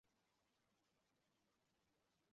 克尼格斯布吕克是德国萨克森州的一个市镇。